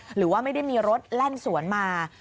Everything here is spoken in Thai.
หรือว่าไม่ได้มีรถแล่นสวนมา